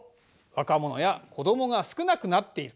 若者や子どもが少なくなっている。